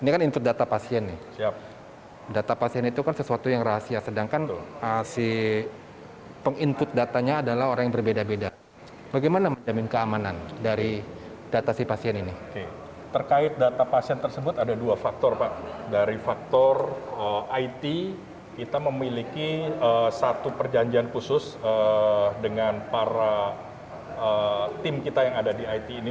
kita memiliki satu perjanjian khusus dengan para tim kita yang ada di it ini